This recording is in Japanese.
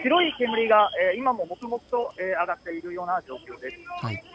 黒い煙が今ももくもくと上がってるような状況です。